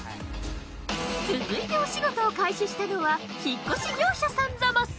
続いてお仕事を開始したのは引っ越し業者さんザマス。